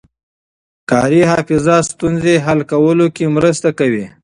کاري حافظه ستونزې حل کولو کې مرسته کوي.